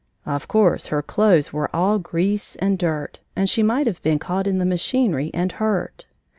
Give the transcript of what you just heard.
Of course her clothes were all grease and dirt, and she might have been caught in the machinery and hurt.